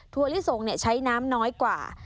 ลิสงใช้น้ำน้อยกว่า